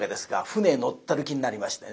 船に乗ってる気になりましてね。